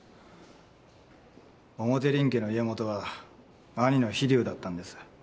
表林家の家元は兄の秘龍だったんです。